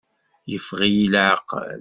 Yeffeɣ-iyi laɛqel.